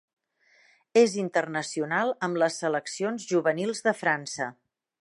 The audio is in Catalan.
És internacional amb les seleccions juvenils de França.